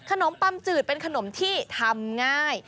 ตำจืดเป็นขนมที่ทำง่าย